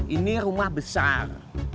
ini rumah besar